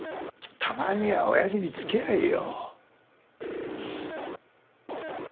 たまにはおやじに付き合えよ。